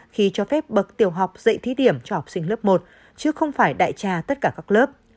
khi cho phép bậc tiểu học dạy thí điểm cho học sinh lớp một chứ không phải đại tra tất cả các lớp